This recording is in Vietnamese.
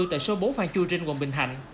tại số bốn phan chua trên quận bình thạnh